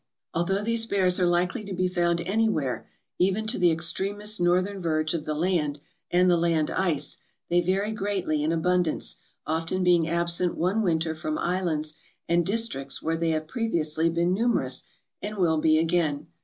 Although these bears are likely to be found anywhere, even to the extremest northern verge of the land and the land ice, they vary greatly in abundance, often being absent one winter from islands and districts where they have previously been numerous and will be again.